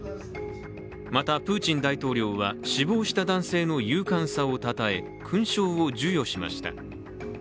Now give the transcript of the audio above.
また、プーチン大統領は死亡した男性の勇敢さをたたえ、勲章を授与しました。